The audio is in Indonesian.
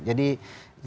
jadi kita harus berpikir